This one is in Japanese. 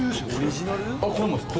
これもですか？